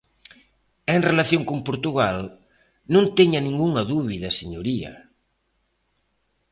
E en relación con Portugal, non teña ningunha dúbida, señoría.